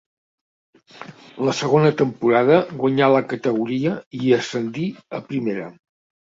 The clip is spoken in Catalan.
La segona temporada guanyà la categoria i ascendí a Primera.